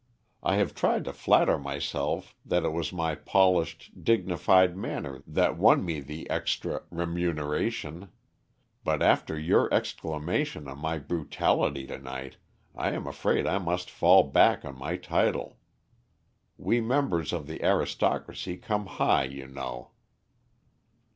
I have tried to flatter myself that it was my polished, dignified manner that won me the extra remuneration; but after your exclamation on my brutality to night, I am afraid I must fall back on my title. We members of the aristocracy come high, you know."